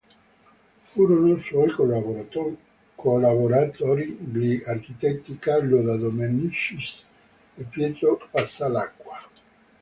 Furono suoi collaboratori gli architetti Carlo De Dominicis e Pietro Passalacqua.